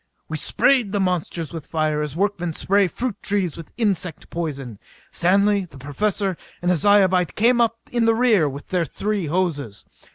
We sprayed the monsters with fire as workmen spray fruit trees with insect poison. Stanley, the Professor and a Zyobite came up in the rear with their three hoses.